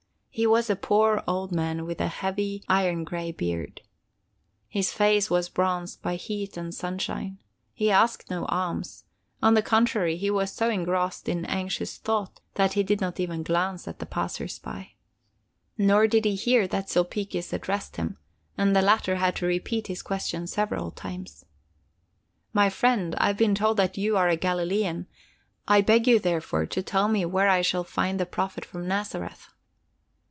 He was a poor old man with a heavy iron gray beard. His face was bronzed by heat and sunshine. He asked no alms; on the contrary, he was so engrossed in anxious thought that he did not even glance at the passers by. Nor did he hear that Sulpicius addressed him, and the latter had to repeat his question several times. "My friend, I've been told that you are a Galilean. I beg you, therefore, to tell me where I shall find the Prophet from Nazareth!"